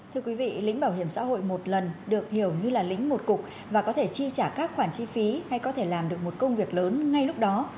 thưa quý vị lĩnh bảo hiểm xã hội một lần được hiểu như là lính một cục và có thể chi trả các khoản chi phí hay có thể làm được một công việc lớn ngay lúc đó